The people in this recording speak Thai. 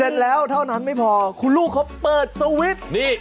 เสร็จแล้วเท่านั้นไม่พอคุณลูกเขาเปิดสวิตช์นี่